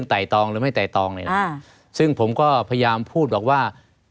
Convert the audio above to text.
ต่ายตองหรือไม่ต่ายตองซึ่งผมก็พยายามพูดแบบว่า